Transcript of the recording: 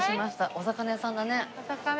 お魚屋さんだね。